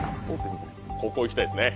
ここいきたいですね。